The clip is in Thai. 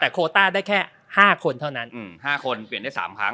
แต่โคต้าได้แค่ห้าคนเท่านั้นอืมห้าคนเปลี่ยนได้สามครั้ง